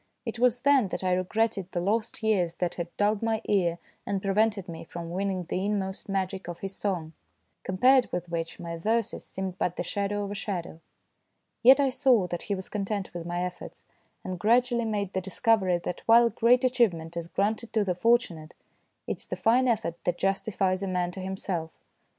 It was then that I regretted the lost years that had dulled my ear and prevented me from winning the inmost magic of his song, compared with which my verses seemed but the shadow of a shadow. Yet I saw that he was content with my efforts, and gradually made the discovery that while great achievement is granted to the fortu nate, it is the fine effort that justifies a man to himself.